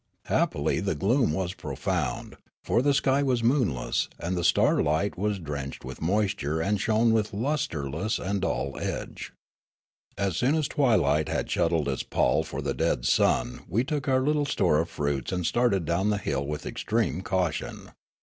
Happily the gloom was profound, for the sky was moonless, and the starlight w^as drenched with moisture and shone with lustreless and dull edge. As soon as twilight had shuttled its pall for the dead sun we took our little store of fruits and started down the hill with extreme caution.